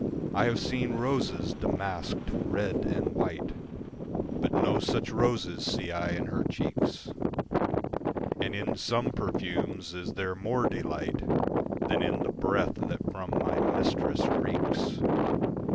I have seen roses damask'd, red and white, But no such roses see I in her cheeks; And in some perfumes is there more delight Than in the breath that from my mistress reeks.